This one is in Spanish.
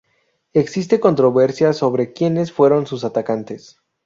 Existe controversia sobre quienes fueron sus atacantes.